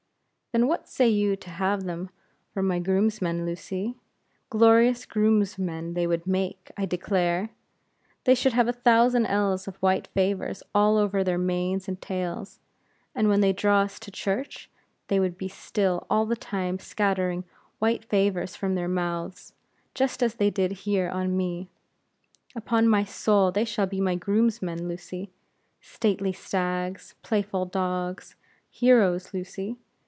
"Then what say you to have them for my groomsmen, Lucy? Glorious groomsmen they would make, I declare. They should have a hundred ells of white favors all over their manes and tails; and when they drew us to church, they would be still all the time scattering white favors from their mouths, just as they did here on me. Upon my soul, they shall be my groomsmen, Lucy. Stately stags! playful dogs! heroes, Lucy.